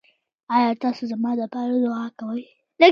ایا تاسو زما لپاره دعا کوئ؟